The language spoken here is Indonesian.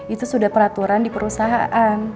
itu sudah peraturan di perusahaan